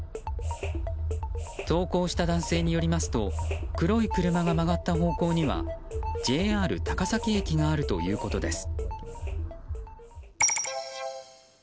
投稿した男性によりますと黒い車が曲がった方向にはＪＲ高崎駅があるということです。